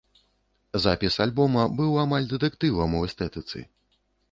Запіс альбома быў амаль дэтэктывам у эстэтыцы.